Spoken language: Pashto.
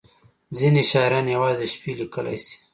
• ځینې شاعران یوازې د شپې لیکلی شي.